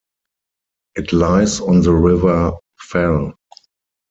It lies on the River Fal.